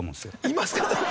いますかね。